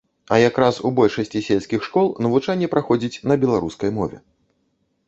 А якраз у большасці сельскіх школ навучанне праходзіць на беларускай мове.